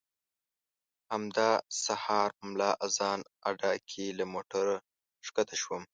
همدا سهار ملا اذان اډه کې له موټره ښکته شوم.